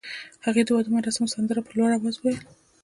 هغې د واده مراسمو سندره په لوړ اواز وویل.